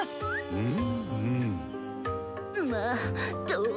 うん？